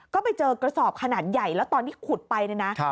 ก็ไปเจอกระสอบขนาดใหญ่แล้วตอนที่ขุดไปเนี่ยนะ